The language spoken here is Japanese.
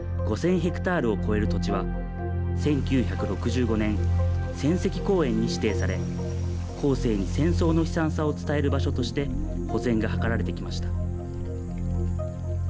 ヘクタールを超える土地は、１９６５年、戦跡公園に指定され、後世に戦争の悲惨さを伝える場所として、保全が図られてきました。